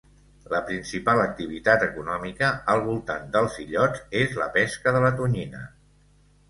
La principal activitat econòmica al voltant dels illots és la pesca de la tonyina.